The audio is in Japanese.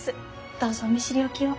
どうぞお見知りおきを。